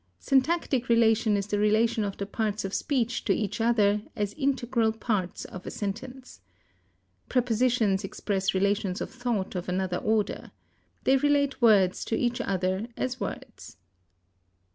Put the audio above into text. Syntactic relation is the relation of the parts of speech to each other as integral parts of a sentence. Prepositions express relations of thought of another order. They relate words to each other as words.